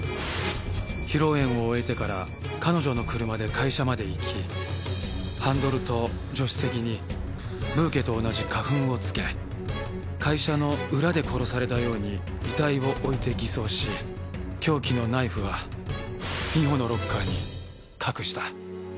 披露宴を終えてから彼女の車で会社まで行きハンドルと助手席にブーケと同じ花粉を付け会社の裏で殺されたように遺体を置いて偽装し凶器のナイフは美穂のロッカーに隠した。